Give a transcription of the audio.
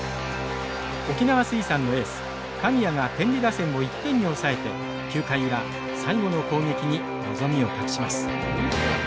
沖縄水産のエース神谷が天理打線を１点に抑えて９回裏最後の攻撃に望みを託します。